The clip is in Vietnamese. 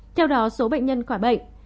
theo đó số bệnh nhân khỏi bệnh